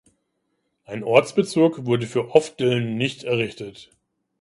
Ein Ortsbezirk wurde für Offdilln nicht errichtet.